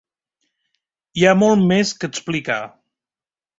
Hi ha molt més que explicar.